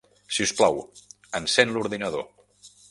Si us plau, encén l'ordinador.